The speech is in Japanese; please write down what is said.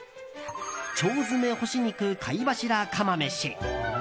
腸詰め干し肉貝柱釜飯。